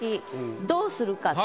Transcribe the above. どうするかって。